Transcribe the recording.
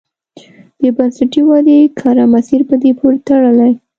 د بنسټي ودې کره مسیر په دې پورې تړلی.